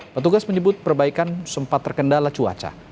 petugas menyebut perbaikan sempat terkendala cuaca